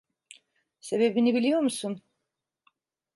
Sebebini biliyor musun?